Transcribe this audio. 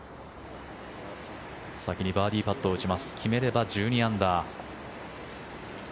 先にバーディーパットを打ちます決めれば１２アンダー。